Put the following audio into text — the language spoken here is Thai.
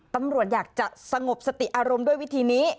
ตำรวจอยากจะสงบสติอารมณ์ด้วยวิธีนี้